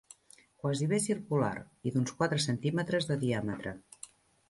Quasi bé circular i d'uns quatre centímetres de diàmetre